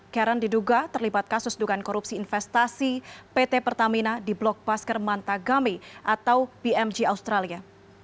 karen diduga terlibat kasus dugaan korupsi investasi pt pertamina di blok pasker mantagami atau pmj australia